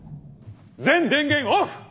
全電源オフ！